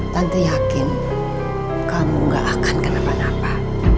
tante yakin kamu gak akan kenapa napa